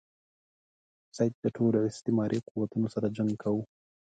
سید د ټولو استعماري قوتونو سره جنګ کاوه.